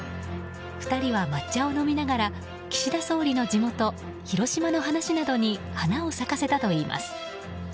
２人は抹茶を飲みながら岸田総理の地元広島の話などに花を咲かせたといいます。